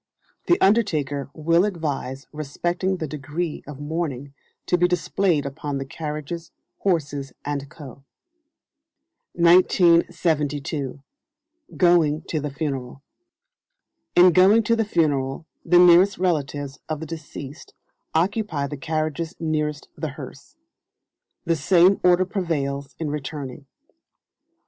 The undertaker will advise respecting the degree of mourning to be displayed upon the carriages, horses, &c. [WE INCREASE OUR WEALTH WHEN WE LESSEN OUR DESIRES.] 1972. Going to the Funeral. In going to the Funeral the nearest relatives of the deceased occupy the carriages nearest the hearse. The same order prevails in returning.